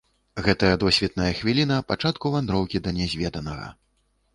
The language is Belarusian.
Гэтая досвітная хвіліна пачатку вандроўкі да нязведанага!